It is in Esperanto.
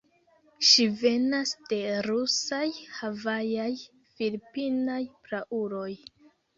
Ŝi venas de rusaj, havajaj, filipinaj prauloj.